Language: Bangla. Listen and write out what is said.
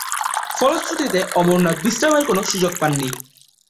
ফলশ্রুতিতে অমরনাথ বিশ্রামের কোন সুযোগ পাননি।